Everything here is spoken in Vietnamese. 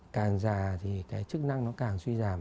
càng già thì cái chức năng nó càng suy giảm